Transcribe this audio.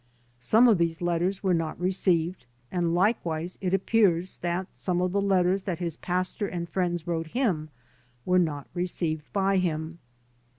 Some of these letters were not received and likewise it appears that some of the letters that his pastor and friends wrote him were not received by him.